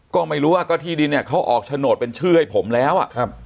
ก็ไม่รู้ว่าก็ที่ดินเนี่ยเขาออกโฉนดเป็นชื่อให้ผมแล้วอ่ะครับ